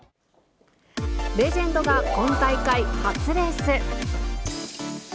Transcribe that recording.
レジェンドが今大会初レース。